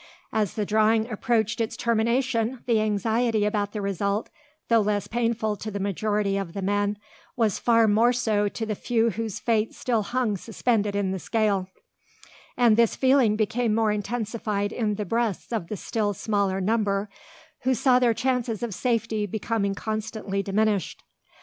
As the drawing approached its termination, the anxiety about the result, though less painful to the majority of the men, was far more so to the few whose fate still hung suspended in the scale; and this feeling became more intensified in the breasts of the still smaller number, who saw their chances of safety becoming constantly diminished.